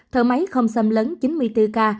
thở máy không xâm lấn chín mươi bốn ca